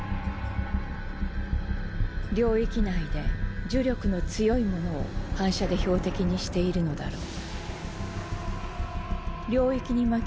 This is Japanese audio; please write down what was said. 領域内で呪力の強い者を反射で標的にしているのだろう。